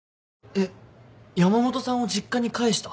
えっ山本さんを実家に帰した？